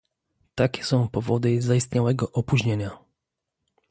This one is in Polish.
Takie są powody zaistniałego opóźnienia